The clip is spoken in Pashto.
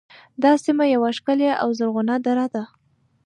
دا سیمه یوه ښکلې او زرغونه دره ده